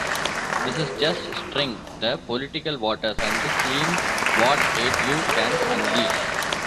This is just stirring the political waters and seeing what hate you can unleash.